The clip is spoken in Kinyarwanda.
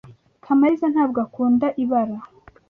Kamaliza ntabwo akunda ibara.